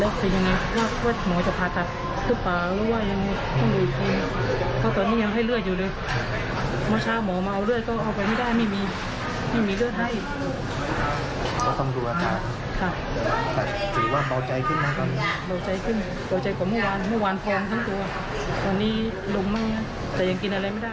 ก็เจ๋งกว่าเมื่อวานทั้งตัวตอนนี้ลุ้มมากแต่ยังกินอะไรไม่ได้